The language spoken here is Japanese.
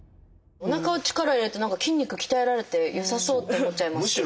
おなかは力を入れると筋肉鍛えられて良さそうって思っちゃいますけど。